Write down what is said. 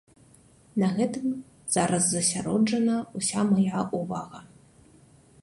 На гэтым зараз засяроджана ўся мая ўвага.